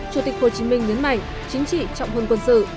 chủ tịch hồ chí minh nhấn mạnh chính trị trọng hơn quân sự